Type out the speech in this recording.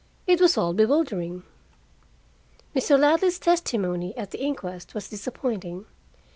It was all bewildering. Mr. Ladley's testimoney at the inquest was disappointing.